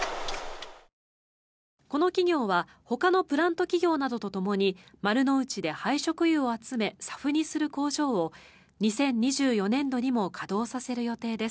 この企業はほかのプラント企業などとともに丸の内で廃食油を集めＳＡＦにする工場を２０２４年度にも稼働させる予定です。